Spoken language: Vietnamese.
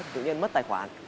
tự nhiên mất tài khoản